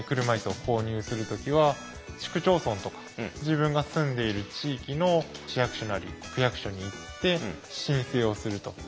車いすを購入する時は市区町村とか自分が住んでいる地域の市役所なり区役所に行って申請をすると。